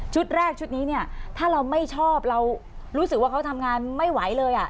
แรกชุดนี้เนี่ยถ้าเราไม่ชอบเรารู้สึกว่าเขาทำงานไม่ไหวเลย